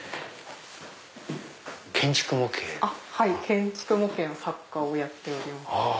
建築模型の作家をやっております。